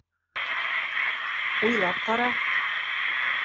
Уйлап ҡара!